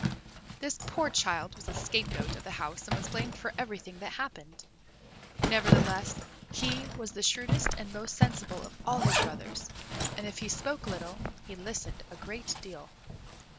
This poor child was the scapegoat of the house, and was blamed for everything that happened. Nevertheless he was the shrewdest and most sensible of all his brothers, and if he spoke little, he listened a great deal.